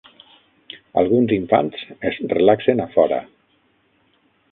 Alguns infants es relaxen a fora